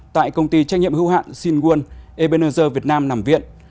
tại công ty trách nhiệm hữu hạn sinh nguồn ebenezer việt nam nằm viện